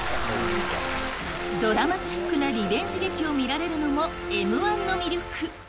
ドラマチックなリベンジ劇を見られるのもＭ−１の魅力！